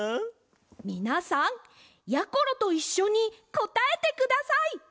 みなさんやころといっしょにこたえてください！